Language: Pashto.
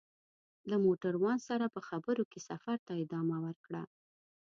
له موټروان سره په خبرو کې سفر ته ادامه ورکړه.